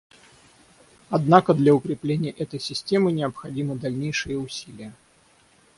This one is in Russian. Однако для укрепления этой системы необходимы дальнейшие усилия.